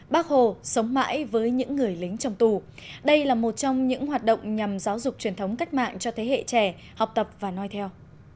bác hồ sống mãi với những người lính trong tù đây là một trong những hoạt động nhằm giáo dục truyền thống cách mạng cho thế hệ trẻ học tập và nói theo